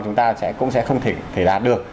chúng ta cũng sẽ không thể đạt được